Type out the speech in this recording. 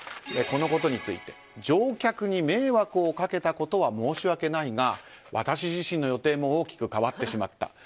このことについて乗客に迷惑をかけたことは申し訳ないが、私自身の予定も大きく変わってしまった。